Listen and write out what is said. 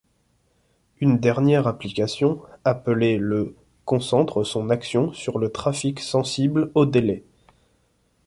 Une dernière application, appelée le concentre son action sur le trafic sensible au délai.